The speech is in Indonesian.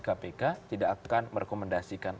kpk tidak akan merekomendasikan